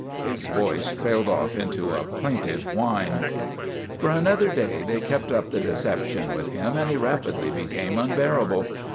His voice trailed off into a plaintive whine. For another day they kept up the deception with him and he rapidly became unbearable.